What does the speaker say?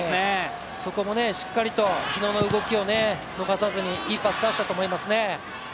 そこもしっかりと日野の動きを逃さずにいいパス出したと思いますね。